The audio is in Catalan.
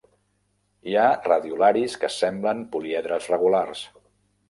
Hi ha radiolaris que semblen poliedres regulars.